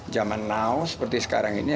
zaman now seperti sekarang ini